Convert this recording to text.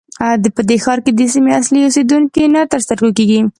په دې ښار کې د سیمې اصلي اوسېدونکي نه تر سترګو کېږي.